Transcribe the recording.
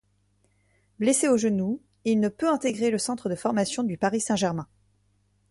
Blessé aux genoux, il ne peut intégrer le centre de formation du Paris Saint-Germain.